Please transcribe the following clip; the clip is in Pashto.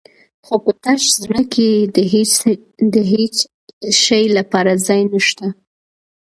خو په تش زړه کې د هېڅ شي لپاره ځای نه شته.